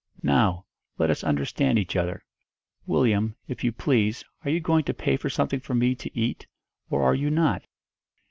'Now, let us understand each other. Willyum, if you please, are you going to pay for something for me to eat, or are you not?'